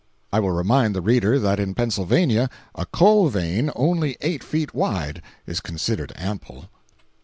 I will remind the reader that in Pennsylvania a coal vein only eight feet wide is considered ample.